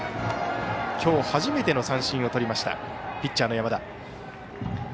今日初めての三振をとりましたピッチャーの山田。